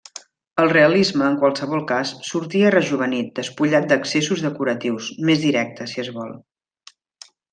El realisme, en qualsevol cas, sortia rejovenit, despullat d'excessos decoratius, més directe, si es vol.